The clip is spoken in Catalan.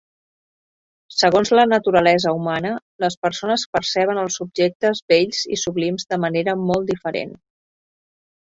Segons la naturalesa humana, les persones perceben els objectes bells i sublims de manera molt diferent.